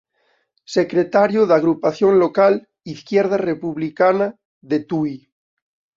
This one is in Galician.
Secretario da agrupación local de Izquierda Republicana de Tui.